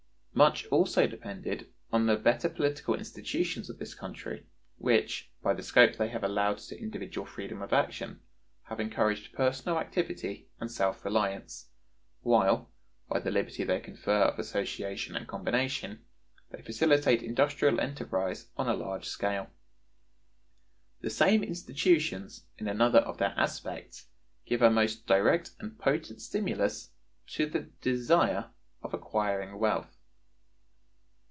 Much also depended on the better political institutions of this country, which, by the scope they have allowed to individual freedom of action, have encouraged personal activity and self reliance, while, by the liberty they confer of association and combination, they facilitate industrial enterprise on a large scale. The same institutions, in another of their aspects, give a most direct and potent stimulus to the desire of acquiring wealth.